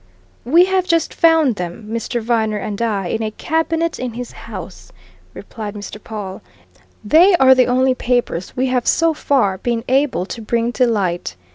"We have just found them Mr. Viner and I in a cabinet in his house," replied Mr. Pawle. "They are the only papers we have so far been able to bring to light.